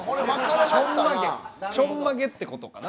ちょんまげってことかな？